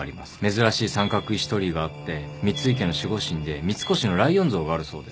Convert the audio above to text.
珍しい三角石鳥居があって三井家の守護神で三越のライオン像があるそうです。